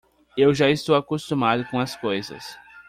Eu já estou acostumado com as coisas.